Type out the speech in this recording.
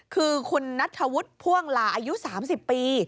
คือคุณนัทธวุฒิพ่วงลาอายุ๓๐ปี